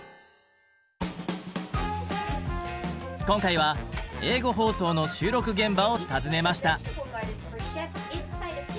今回は英語放送の収録現場を訪ねました。